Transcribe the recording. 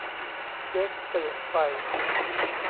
เจ๊กตื่นไฟ